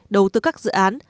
đầu tư các dự án